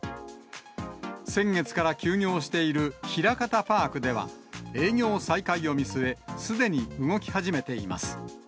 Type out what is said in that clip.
先月から休業しているひらかたパークでは、営業再開を見据え、すでに動き始めています。